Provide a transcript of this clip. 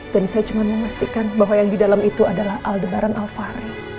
dan saya cuma memastikan bahwa yang di dalam itu adalah aldebaran al fahri